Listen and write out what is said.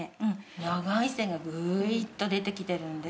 長い線がグイーッと出てきてるんですよ。